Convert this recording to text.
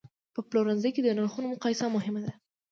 په پلورنځي کې د نرخونو مقایسه مهمه ده.